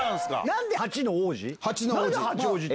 何で八の王子？